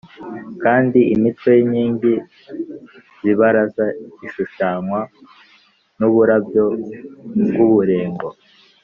Kandi imitwe y’inkingi z’ibaraza ishushanywa n’uburabyo bw’uburengo